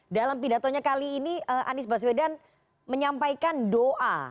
dalam pidatonya kali ini anies baswedan menyampaikan doa